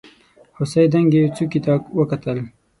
هوسۍ دنګې څوکې ته وکتل.